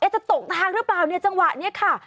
จะตกทางหรือเปล่าเนี่ยจังหวะนี้ค่ะ